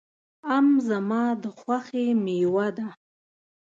آم زما د خوښې مېوه ده.